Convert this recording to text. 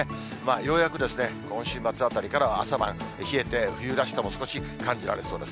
ようやく今週末あたりからは、朝晩冷えて、冬らしさも少し感じられそうです。